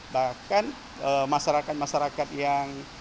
bahkan masyarakat masyarakat yang